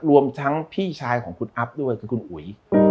รวมทั้งพี่ชายของคุณอัพด้วยคือคุณอุ๋ย